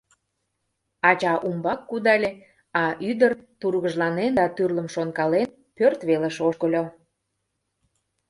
Ача умбак кудале, а ӱдыр, тургыжланен да тӱрлым шонкален, пӧрт велыш ошкыльо.